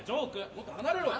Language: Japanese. もっと離れろよ。